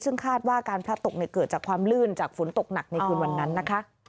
ซึ่งคาดว่าการพระตกเกิดจากความลื่นจากฝนตกหนักในคืนวันนั้นนะคะ